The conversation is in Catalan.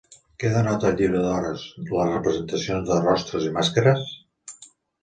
Què denota al Llibre d'hores les representacions de rostres i màscares?